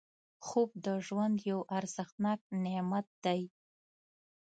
خوب د ژوند یو ارزښتناک نعمت دی